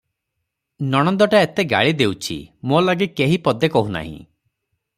ନଣନ୍ଦଟା ଏତେ ଗାଳି ଦେଉଛି, ମୋ ଲାଗି କେହି ପଦେ କହୁ ନାହିଁ ।